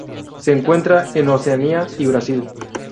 Se encuentra en Oceanía y Brasil.